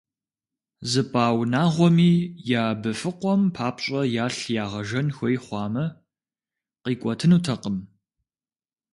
ЗыпӀа унагъуэми я быфыкъуэм папщӀэ ялъ ягъэжэн хуей хъуамэ, къикӀуэтынутэкъым.